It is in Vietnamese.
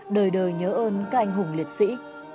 đời đời nhớ ơn các anh hùng liệt sĩ